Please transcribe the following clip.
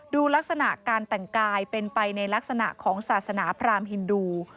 ดูลักษณะการแต่งกายเป็นไปในลักษณะของศาสนาพรามฮินดู